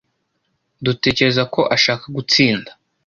Dutekereza ko ashaka gutsinda.